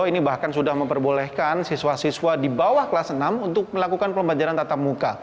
ini bahkan sudah memperbolehkan siswa siswa di bawah kelas enam untuk melakukan pembelajaran tatap muka